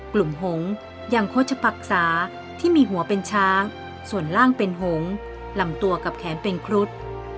กลุ่มหงศ์ยังโคชภักษาที่มีหัวเป็นช้างส่วนล่างเป็นหงศ์ลำตัวกับแขนเป็นครุฑ